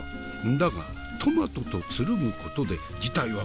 だがトマトとつるむことで事態は好転する。